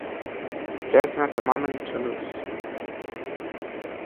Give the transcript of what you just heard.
There's not a moment to lose.